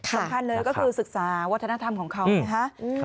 สำคัญเลยก็คือศึกษาวัฒนธรรมของเขานะคะ